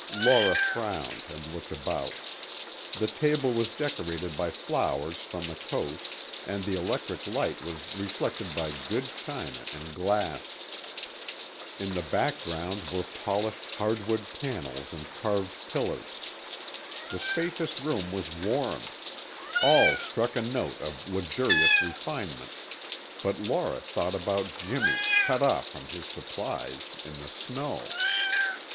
Laura frowned and looked about. The table was decorated by flowers from the coast, and the electric light was reflected by good china and glass. In the background were polished hardwood panels and carved pillars. The spacious room was warm; all struck a note of luxurious refinement, but Laura thought about Jimmy, cut off from his supplies, in the snow.